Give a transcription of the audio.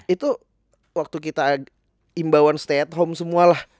itu waktu kita imbawan stay at home semualah